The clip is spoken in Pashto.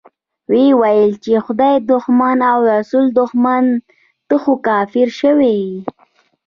ويې ويل چې خدای دښمنه او رسول دښمنه، ته خو کافر شوې.